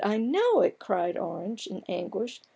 I know it!" cried Orange, in anguish.